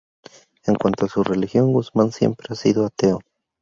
En cuanto a su religión, Guzmán siempre ha sido ateo.